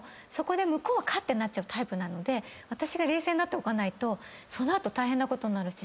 向こうはカッてなるタイプなので私が冷静になっておかないとその後大変なことになるし。